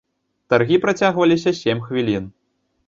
Таргі працягваліся сем хвілін.